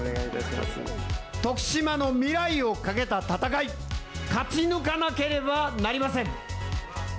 徳島の未来をかけた戦い、勝ち抜かなければなりません。